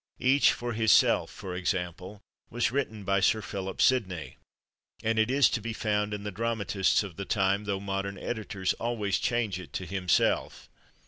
"Each for /hisself/," for example, was written by Sir Philip Sidney, and is to be found in the dramatists of the time, though modern editors always change it to /himself